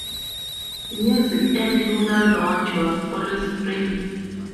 Music at Luna Lounge was always free.